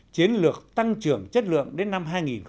chiến lược tăng trưởng chất lượng đến năm hai nghìn ba mươi